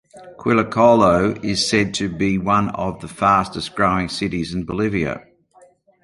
Quillacollo is said to be one of the fastest growing cities in Bolivia.